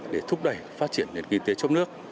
để thúc đẩy phát triển nền kinh tế trong nước